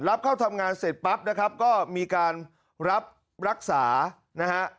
เข้าทำงานเสร็จปั๊บนะครับก็มีการรับรักษานะฮะ